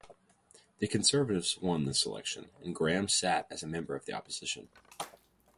The Conservatives won this election, and Graham sat as a member of the opposition.